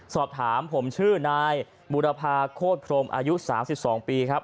สอบถามผมชื่อนายบุรพาโคตรพรมอายุ๓๒ปีครับ